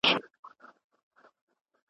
پر اوږه ستا دی کږه زه له خياله ځمه